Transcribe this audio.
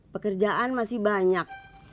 pekerjaan masih banyak